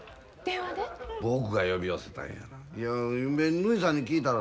僕が呼び寄せたんや。